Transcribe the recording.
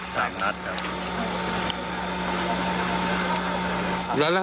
สามนัดครับ